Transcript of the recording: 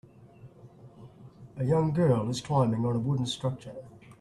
A young girl is climbing on a wooden structure.